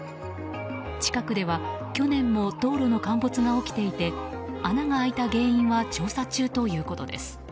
近くでは去年も道路の陥没が起きていて穴が開いた原因は調査中ということです。